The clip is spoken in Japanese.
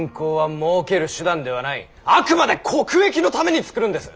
あくまで国益のために作るんです。